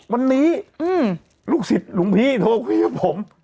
วันนี้ลูกศิษย์หลวงพี่โทรคุยกับผม